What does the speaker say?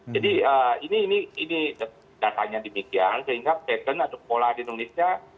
jadi ini dasarnya demikian sehingga pattern atau pola di indonesia